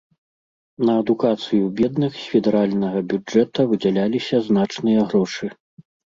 На адукацыю бедных з федэральнага бюджэта выдзяляліся значныя грошы.